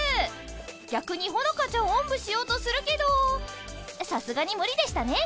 逆にホノカちゃんをおんぶしようとするけどさすがにムリでしたね！